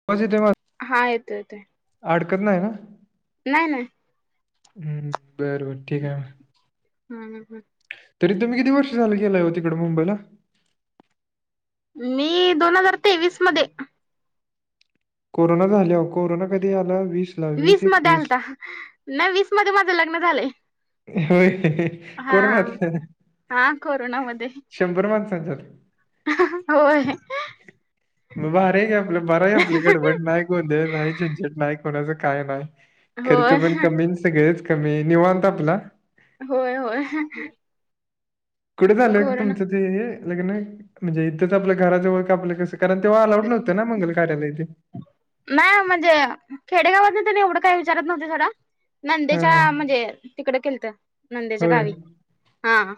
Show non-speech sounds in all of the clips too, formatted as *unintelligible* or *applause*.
*unintelligible* हा येतोय येतोय. आडकत नाही ना? नाय नाय. हम्म. बर बर ठीक आहे मग. हम्म हम. तरी तुम्ही किती वर्ष झाले गेलाय वो तिकड मुंबईला? मी, दोन हजार तेवीस मध्ये. कोरोना झाल्यावं. कोरोना कधी आला वीस वीस मध्ये आलता. नाही वीस मध्ये माझं लग्न झालंय. व्हय कोरोनात. हां कोरोनां मध्यें हां होयं. बारा आहे कि आपलं, बाराहे आपल्यांकडे, बाराही आपली गडबड नाहीं, गोंधळ नाहीं. नाहीं कोणाचं कायं नाहीं, खर्च होय पणं कमी अनं सगळंच कमी, निवांत आपलां होय होय कुठं चाललंय कोरोना तुमचं ते हे? लग्नये? म्हणजे इतंच आपल्या घरांजवळं कां आपल्यां कसं कारणं तेव्हां अलांउड नव्हतं नां मंगल कार्यालय इते? नाहीं म्हणजे खेडेगावांत त्यानं एवढं कायं विचारतं नव्हते जरां. हां, हां. नंदेच्यां म्हणजे तिकडं केलतं नंदेच्यां होय. गांवी हां.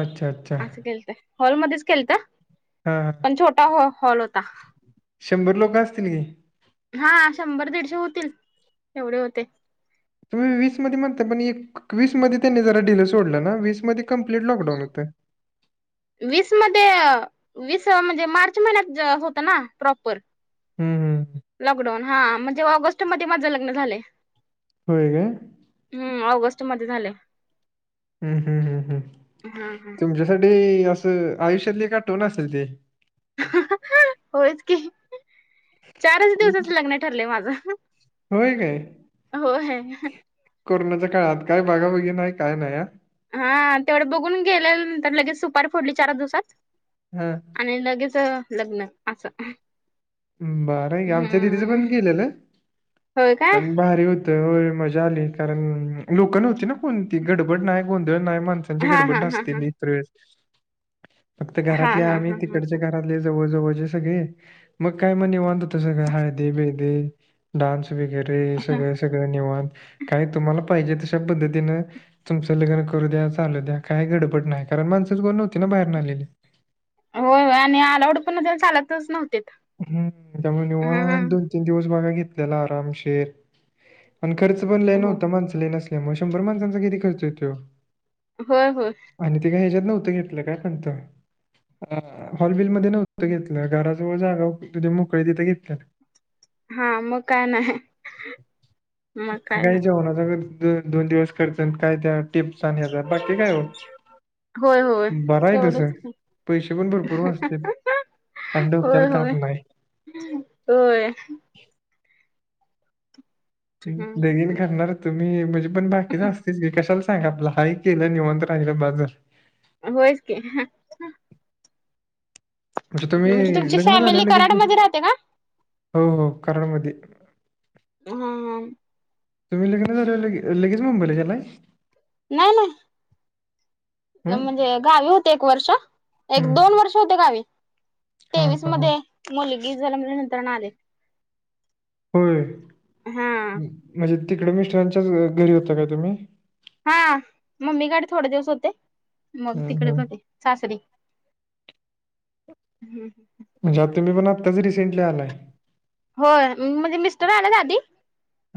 अच्छा, अच्छा. असं केलतंय हॉलमध्यें चं केलतं? हां हां पणं छोटां हॉ हॉल होतां. शंभर लोकं असतील गी. हां शंभर दीडशे होतील, एवढे होते. तुम्हीं वीस मध्यें म्हणतां पणं एक वीस मध्यें त्यांनी जरां ढिलं सोडलं नां? वीस मध्यें कम्प्लीट लॉकडाऊंन होतं. वीस मध्यें वीस म्हणजे मार्च महिन्यांत होतं नां प्रॉपर. हम्म हम्म. लॉकडाऊंन हां म्हणजे ऑगस्ट मध्यें माझं लग्नं झालंय. होयं कायं? हम्मं ऑगस्ट मध्यें झालंय. हम्मं हम्मं हम्मं हम्मं हा हा तुमच्यांसाठी असं आयुष्यांतली एक आठवणं असेल ती. हं हं होयं चं कि. चारचं दिवसांत लग्नं ठरलंय माझं. होयं कायं? होय कोरोनांच्या काळांत कायं बघांबघी नाहीं, कायं नाहीं आं. हां तेवढं बघूंन गेल्यांनंतर लगेचं सुपारी फोडली चार चं दिवसांत. हम्मं आणि लगेचं लग्नं असं. बंरहांय कि, आमच्यां दिदीचं पणं हम्म केलेलं होय काय पणं भारी होतं. त्यां मुळे मजां आली कारणं लोकं नव्हती नां कोणंती गडबड नांय गोंधळ नांय म्हंणे आमच्यां हा हा कडे हा असत्यां हा ती इतरं वेळंस फक्तं हा घरांतल्या हा हा आम्हीं हा तिकडंच्या घरांतले जवळं जवळंचे सगळें मगं कायं मं निवांत तसं सगळं हळदी बिळदी डान्स वगैरें सगळं सगळं नेवातं कायं तुम्हांला पाहिजे तशां पद्धतीनं तुमचं लग्नं करूं द्या चालूं द्या कांहीं घडबंड नाहीं कारणं माणसंच गोन नव्हती नां बाहेर नं आलेली. होयं होयं आणि आंलावड पणं ते चालतं चं नव्हतेत हम्मं त्यांमुळे निवांत दोन तीनं दिवसं बघां घेतलेला आरांमशेर. आंन खर्च पणं लई हो नव्हतां माणसं लईनसल्यां मुळं मगं शंभर माणसांचा किती खर्च येतोय ओ. होयं होयं. आणि ते कायं ह्यांच्यात नव्हतं घेतलं कायं म्हणतां अं हॉलबिल मध्यें नव्हतं घेतलं घरांजवळं जागां होती तथे मोकळी तिथे घेतल्यां हां मगं कायं नांय अंह मगं कायं नांय हो दोन दोन दिवसं खर्त कायं त्यां टिप्स आणि हचां बाकी कायं हो होय होय बरांय तसं तेवढंच की पैसे पणं भरंपूर वाचत्यांत. अनं डोक्यांला तांप नाहीं. होयं. लगिन करणारं तुम्हीं म्हणजी पणं बाकी चं असतंच की कशांला सांगा आपलं हांक केलं निवांत पाहिलं बाजं झालं. होयंचकी हं म्हणजे तुम्ही तुमची लग्न फॅमिली झाल्यावर लगेच कराड घे मध्ये राहते का? हो हो कराड मध्ये हा तुम्ही लग्न झाल्यावर लगे लगेच मुंबईला गेलाय? नायला हं? न् म्हणजे गावी होते एक वर्ष एक हं. दोन वर्ष होते गावी. हा तेवीस हा हा मध्ये मुलगी जन्मल्यानंतरनं आले. होय हा म्हणजे तिकडं मिस्टरांच्यांच घरी होता काय तुम्ही? हा मम्मीकडं थोडं दिवस होते मग हं, तिकडं हं. थोडे सासरी हम्म म्हणजे आता तुम्ही पण आताच रिसेंटली आलाय. होय म्हणजे मिस्टर आल्यात आधी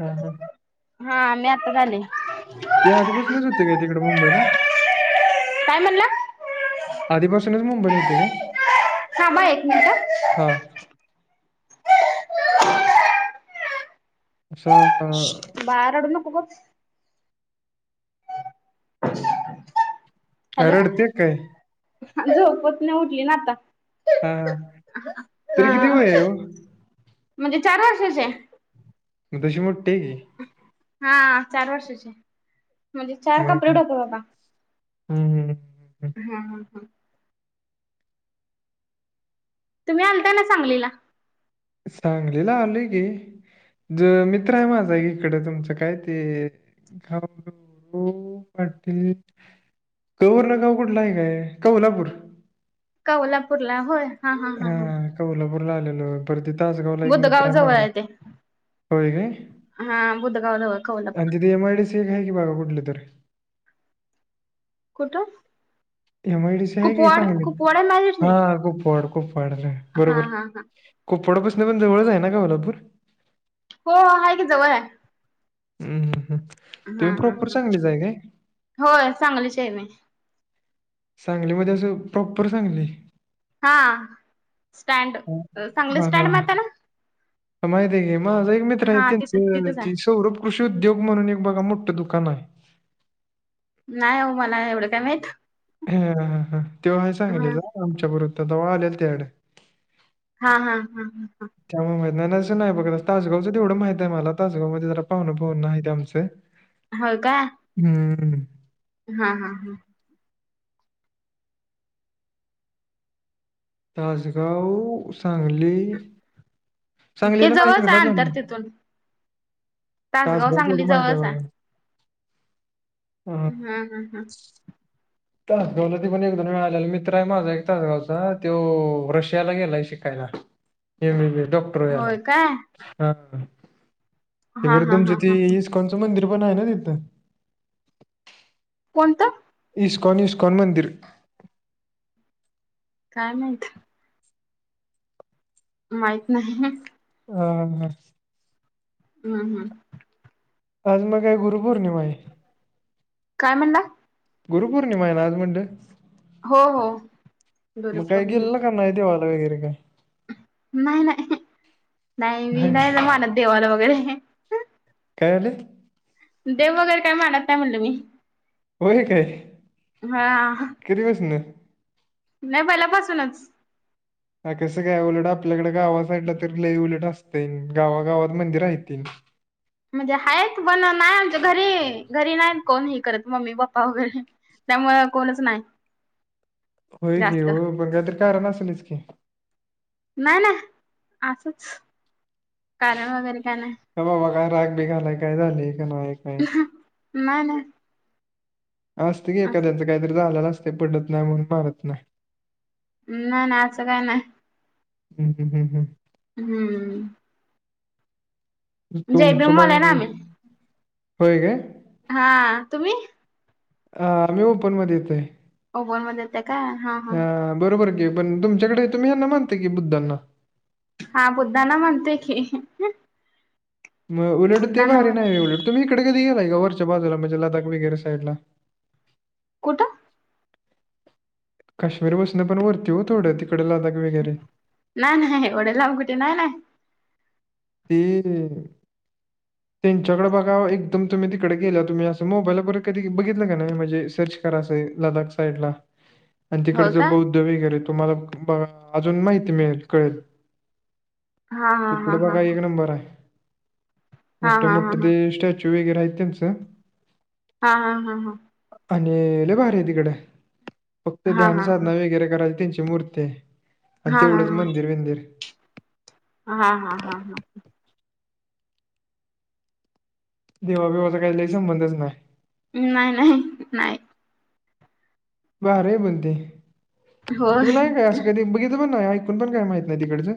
हा हा हा मी आताच आले. ते आधी पासूनच होते काय तिकडे मुंबईला? काय म्हणला आधीपासूनच मुंबईला होते काय थांबा एक मिनिट हा. *unintelligible* बाळा रडू नको गप *inaudible* काय हॅलो रडते काय? झोपेत्न उठली ना आता. हां. *inaudible* तरी किती हा वय आहे हो? म्हणजे चार वर्षाची हाय मं तशी मोट्टी हाय कि हा चार वर्षाची म्हणजे चार मग कंप्लिट होतात आता हं, हं, हं. तुम्ही आलता ना सांगलीला. सांगलीला आलोय कि ज मित्र हाय माझा इकडं तुमचं काय ते खाऊ हो वाटेत क वरणं गाव कुठलं हाय काय कवलापूर कवलापूर ला होय. हा कवलापूरला आलेलो परत ते तासगावला एक मित्र बुधगाव हाय जवळ माझा आहे ते. होय काय हा बुधगाव जवळ कोल्हापूर. आणि तिथं एम आय डी सी एक आहे कि बघा कुठली तर कुठं? एम आय डी सी आहे की कुपवाड कुपवाड सांगलीत आहे हा माझ्याकडे. कुपवाड कुपवाडला हा बरोबर. हा हा. कुपवाडपासनं पण जवळच हाय ना कवलापूर हो हाय कि जवळ हाय हम्म हम्म हम्म. हा तुम्ही हा प्रॉपर हा सांगलीच आहे काय होय सांगलीची हाय मी. सांगलीमध्ये असं प्रॉपर सांगली. हा स्टँड सांगली स्टँड माहीत्या ना. माहित्या की माझा एक मित्र आहे हा तिथं त्यांचं तिथंच आहे. ते सौरभ कृषी उद्योग म्हणून एक बघा मोठं दुकान हाय नाय ओ मला एवढं काय माहीत. हा हा हा त्यो हाय सांगलीचा आमच्या बरोबर होता तवा आलेलो त्याच्याकडं. हा हा हा हा हा. त्यामुळे माहित नाही असं नाही बघत तासगावचं तेवढं माहित आहे मला तासगाव मध्ये जरा पाहुणं पाहुणं आहेत आमचं *unintelligible* होय का? हम्म. हां, हा हा. तासगाव, सांगली. ते सांगलीला नाही जवळच आहे एकदाच अंतर आलेलो, तिथून तासगाव सांगली तेवढं माहिते जवळच बघा. आहे *unintelligible* हं. हां, हा हा. तासगावला ते पण एक दोन वेळा आलेलो, मित्र आहे माझा एक तासगावचा, तेव रशियाला गेलाय शिकायला. M B B S doctor व्हायला, होय काय हां. ते हा बर हा तुमचं हा ती हा ह इस्कॉनचं मंदिर पण आहे ना तिथं. कोणतं? इस्कॉन इस्कॉन मंदिर. काय माहीत. माहित नाही. आ. हम्म हम्म. आज मग काय गुरुपौर्णिमा आहे. काय म्हणला? गुरुपौर्णिमा आहे ना आज म्हणलं, हो हो मग काय गुरुपौर्णिमा गेलेला का? नाही देवाला वगैरे काय. नाही नाही, नाही मी नाही ना मानत देवाला वगैरे. काय म्हणली? देव वगैरे काय मानत नाही म्हणलं मी. होय काय? हा. कधी पासनं? नाही, पहिल्यापासूनच. हा, कसं काय? उलट आपल्याकडं गावासाइडला तर लई उलट असतंय, गावागावात मंदिरं हाइतीन. म्हणजे आहेत, पण नाही, आमच्या घरी घरी नाहीत कोण हे करत मम्मी पप्पा वगैरे. त्यामुळं कोणच नाही. होय की जास्त ओ, पण काहीतरी कारण असलंच की. नाही नाही, असंच कारण वगैरे काय ना हेबा बघा, राग बीग आलाय, काय झालंय का नाही. काय नाही नाही. असतंय की, असं एखाद्याचं काहीतरी झाल्याल असतंय, पटत नाही म्हणून मारत नाही. नाही नाही, असं काही नाही. हम् हम् हम् हम. हम्म. जय तुमचं भीम वाले बघा ना की, आम्ही होय काय? हा, तुम्ही? अ... मी ओपनमध्ये येतोय. ओपनमध्ये येता काय, हां, हा. अं, बरोबर की, पण तुमच्याकडे तुम्ही यांना मानता की बुद्धांना. हा, बुद्धांना मानतोय की. मग उलट ते बुद्धांना भारी नाही, वगैरे उलट तुम्ही इकडं कधी गेलाय का? वरच्या बाजूला म्हणजे लदाख वगैरे साईडला. कुठं? कश्मीरपसन पण वरती ओ, थोडं तिकडं लदाख वगैरे. नाही नाही, एवढे लांब कुठे, नाही नाही. ह्म्म्म्म्म्म त्यांच्याकडे बघाव, एकदम तुम्ही तिकडे गेल्याव, तुम्ही असं मोबाईल वगैरे कधी बघितलं का नाही, म्हणजे सर्च करासे लदाख साईडला. आणि तिकडे हो जो का बौद्ध वगैरे, तुम्हाला प अजून माहिती मिळेल, कळेल. हा हा हा हा हा. बराय. मोट्टे हा हा मोट्टे हा ते स्टॅच्यू वेगैरे आहेत त्यांच हा हा हा हा. आणि लय भारी आहे तिकडे. फक्त हा हा हा ध्यान साधना हा वगैरे करायल त्यांची मूर्ती ते.. आन हा हा हा हा तेवढंच मंदिर विंदिर हा हा हा हा. देवा बिवाचा काही लय संबंधच नाही. नाही नाही नाही. बार आहे बणते. होय तुम्ही नाही काय असं कधी बघितलं पण नाही पण पण काय माहित नाही तिकडचं?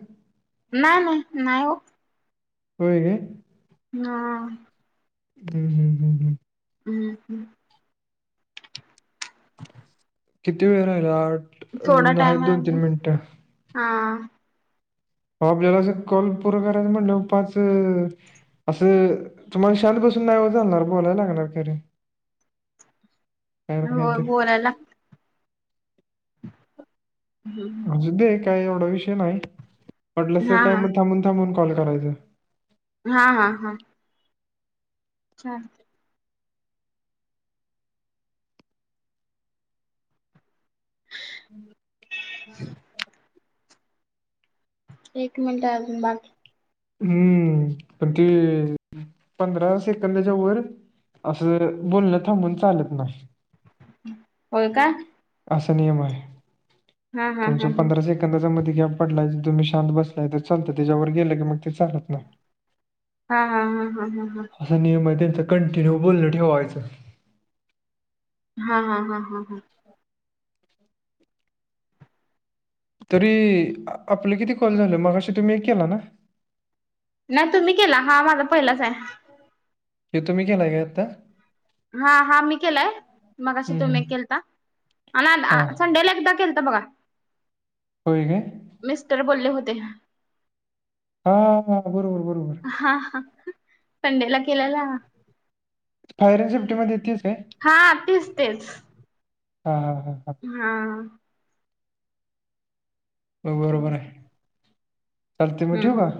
नाही नाही, नाही ओ. होय हो. ना हं हं हं हं. हम् हम्. किती वेळ राहिला? अट्.. थोडा अजून द हाये टाइम आहे दोन- तीन अजून मिंट. हा. हो आपल्याला असं कॉल पूरा करायचं म्हणल्याव, पाच असं, तुम्हाल शांत बसून नाहीव चालणार, बोलाय लागणार खरं. *inaudible* हो बोलायला. हम्. अजून दे काही, एवढा विषय नाही, वाटलसं हा तर काय हा म थांबून थांबून कॉल करायच. हा हा हा. छान. हम् हम *unintelligible* एक मिनट अजून बाकी हम्म पण ते पंधरा सेकंदाच्या वर. असं जरं, बोलणं थांबून चालत नस. हं, होय का? अशे नियम आहे. हा हा तुमचे हा हा पंधरा सेकं सेकंदाचा मध्ये गॅप पडलाय, तुम्ही शांत बसलाय, तर चालते. त्याच्यावर गेलं की मग चालत नाही. हा हा हा हा हा हा. असा नियम आहे त्यांचं. कंटिन्यू बोलणं ठेवायचं. हा हा हा हा हा. तरी आपले किती कॉल झाले? मघाशी तुम्ही एक केला ना? नाय तुम्ही केला. हा माझा पहिलाच आहे. हे तुम्ही केलाय का आत्ता. हा हा, मी केलाय, मगाशी हम्म तुम्ही हम्म. केलता. हा अणि संडेला एकदा केलता बघा. होय काय. मिस्टर बोलले होते. हा बरोबर बरोबर. हा हा संडेला केलेला. फायरिंग सिफ्टी मध्ये तेचं काय? हा तेच तेच. हां हां हां हां. हा. हो बरोबर आहे. चालते मग हम्म हम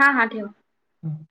हा हा ठेव. हम.